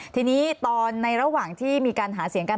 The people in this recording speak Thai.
ทีนี้ตอนในระหว่างที่มีการหาเสียงกัน